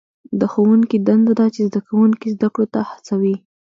د ښوونکي دنده ده چې زده کوونکي زده کړو ته هڅوي.